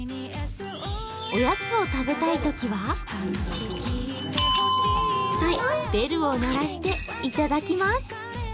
おやつを食べたいときはベルを鳴らしていただきます。